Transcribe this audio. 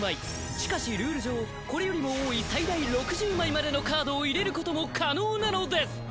しかしルール上これよりも多い最大６０枚までのカードを入れることも可能なのです！